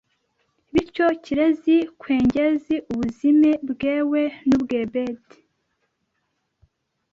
Bityo, kirezire kwengize ubuzime bwewe n’ubw’ebend